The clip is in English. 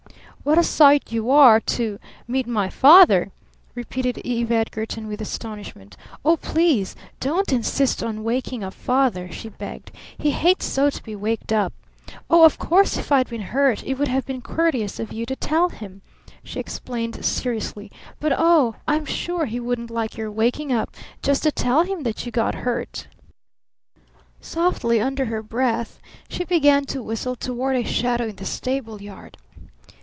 "What a sight you are to meet my father?" repeated Eve Edgarton with astonishment. "Oh, please don't insist on waking up Father," she begged. "He hates so to be waked up. Oh, of course if I'd been hurt it would have been courteous of you to tell him," she explained seriously. "But, oh, I'm sure he wouldn't like your waking him up just to tell him that you got hurt!" Softly under her breath she began to whistle toward a shadow in the stable yard.